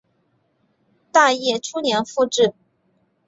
大业初年复置。